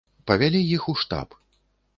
Павялі іх у штаб.